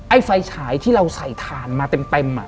ไฟฉายที่เราใส่ถ่านมาเต็ม